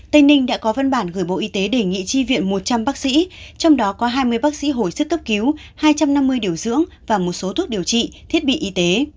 tây ninh đã có văn bản gửi bộ y tế đề nghị tri viện một trăm linh bác sĩ trong đó có hai mươi bác sĩ hồi sức cấp cứu hai trăm năm mươi điều dưỡng và một số thuốc điều trị thiết bị y tế